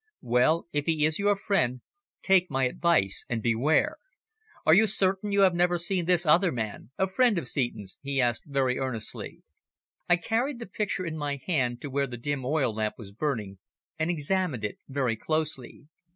Well, if he is your friend, take my advice and beware. Are you certain you have never seen this other man a friend of Seton's?" he asked very earnestly. I carried the picture in my hand to where the dim oil lamp was burning, and examined it very closely.